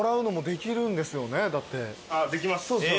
できます